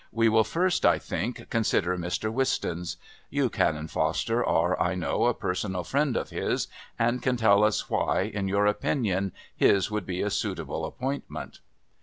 We will first, I think, consider Mr. Wistons. You, Canon Foster, are, I know, a personal friend of his, and can tell us why, in your opinion, his would be a suitable appointment."